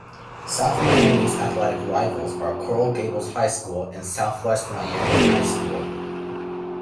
South Miami's athletic rivals are Coral Gables High School and Southwest Miami High School.